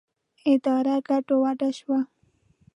اداره ګډه وډه شوه.